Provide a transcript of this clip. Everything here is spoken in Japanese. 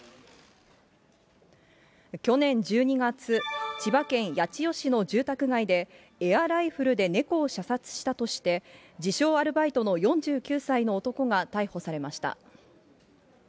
去年１２月、千葉県八千代市の住宅街で、エアライフルで猫を射殺したとして、自称アルバイトの４９歳の男が逮捕されました。